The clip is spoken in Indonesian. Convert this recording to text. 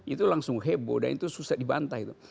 itu langsung heboh dan itu susah dibantah itu